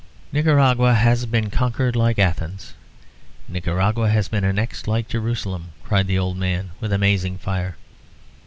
"Nicaragua has been conquered like Athens. Nicaragua has been annexed like Jerusalem," cried the old man, with amazing fire.